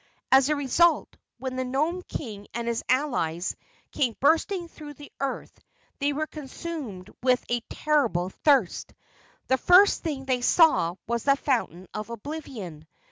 As a result, when the Nome King and his allies came bursting through the earth they were consumed with a terrible thirst. The first thing they saw was the Fountain of Oblivion.